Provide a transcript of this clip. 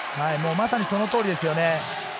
まさにその通りですね。